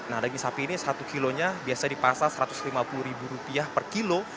nah daging sapi ini satu kilonya biasa dipasar satu ratus lima puluh ribu rupiah per kilo